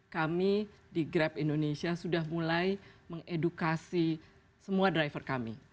kami di grab indonesia sudah mulai mengedukasi semua driver kami